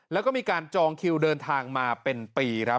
แล้วก็มีการจองคิวเดินทางมาเป็นปีครับ